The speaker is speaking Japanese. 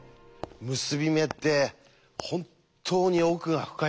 結び目って本当に奥が深いものです。